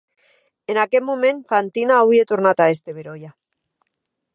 En aqueth moment Fantina auie tornat a èster beròia.